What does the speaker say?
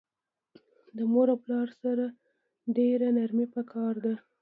د مور او پلار سره ډیره نرمی پکار ده